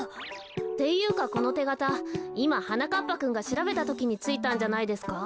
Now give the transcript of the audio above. っていうかこのてがたいまはなかっぱくんがしらべたときについたんじゃないですか？